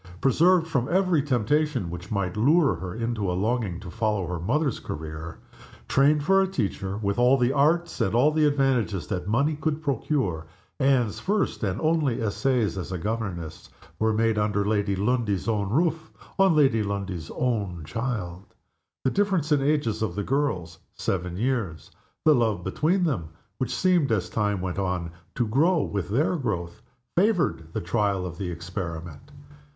Preserved from every temptation which might lure her into a longing to follow her mother's career; trained for a teacher's life, with all the arts and all the advantages that money could procure, Anne's first and only essays as a governess were made, under Lady Lundie's own roof, on Lady Lundie's own child. The difference in the ages of the girls seven years the love between them, which seemed, as time went on, to grow with their growth, favored the trial of the experiment.